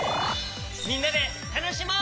みんなでたのしもう！